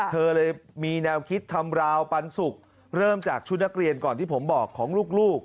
เธอเลยมีแนวคิดทำราวปันสุกเริ่มจากชุดนักเรียนก่อนที่ผมบอกของลูก